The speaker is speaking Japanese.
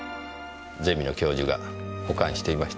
ゼミの教授が保管していました。